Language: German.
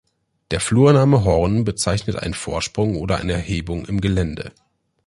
Der Flurname "Horn" bezeichnet einen Vorsprung oder eine Erhebung im Gelände.